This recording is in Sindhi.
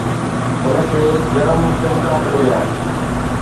هن کي گرم چمڪاٽ مليا